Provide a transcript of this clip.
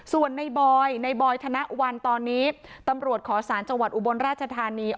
ส่วนในบอยในบอยธนวัลตอนนี้ตำรวจขอสารจังหวัดอุบลราชธานี